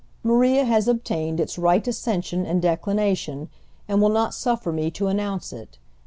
Maria has obtained its right ascension and declination, and will not suffer me to announce it.